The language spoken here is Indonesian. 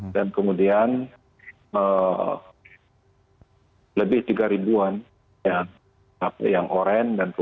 dan kemudian lebih tiga an yang oranye